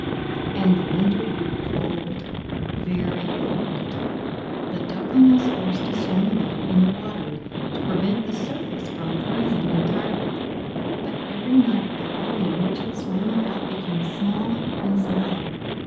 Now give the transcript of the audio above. And the winter grew cold, very cold! The Duckling was forced to swim about in the water, to prevent the surface from freezing entirely; but every night the hole in which it swam about became smaller and smaller.